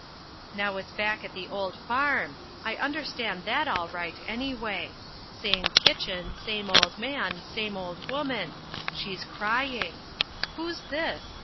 Now it's back at the old farm I understand that all right, anyway! Same kitchen same old man same old woman she's crying who's this?